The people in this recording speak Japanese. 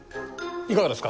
いかがですか？